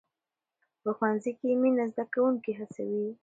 په ښوونځي کې مینه زده کوونکي هڅوي.